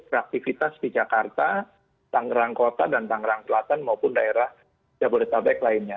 dan juga ke aktivitas di jakarta tangerang kota dan tangerang selatan maupun daerah jabodetabek lainnya